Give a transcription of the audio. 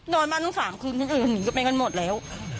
นอนมาตั้ง๓คืนคนอื่นก็ไปกันหมดแล้ว